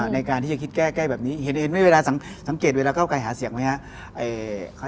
ในการที่จะคิดแก้แบบนี้เห็นเองเวลาสังเกตเวลาเก้าไกลหาเสียงไหมครับ